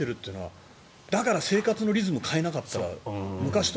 だから生活のリズムを変えなかった。